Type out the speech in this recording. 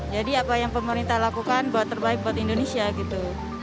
jadi apa yang pemerintah lakukan buat terbaik buat indonesia gitu